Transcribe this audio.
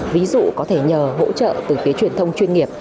ví dụ có thể nhờ hỗ trợ từ phía truyền thông chuyên nghiệp